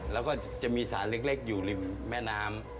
แล้วก็จะมีสารเล็กอยู่ริมแม่น้ำ